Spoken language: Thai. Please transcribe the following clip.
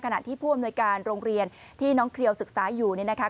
ที่ผู้อำนวยการโรงเรียนที่น้องเคลียวศึกษาอยู่เนี่ยนะคะ